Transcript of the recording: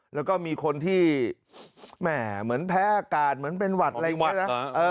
แล้วก็มีคนที่เหมือนแพ้อากาศเหมือนเป็นหวัดอะไรอย่างนี้นะ